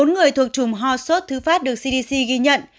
bốn người thuộc trùm hò sốt thứ phát được cdc ghi nhận